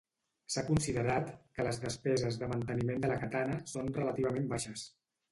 S'ha considerat que les despeses de manteniment de la katana són relativament baixes.